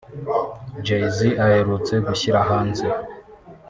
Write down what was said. Jay-z aherutse gushyira hanze